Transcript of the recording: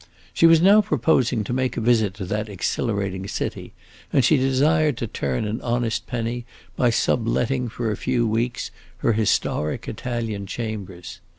She was now proposing to make a visit to that exhilarating city, and she desired to turn an honest penny by sub letting for a few weeks her historic Italian chambers.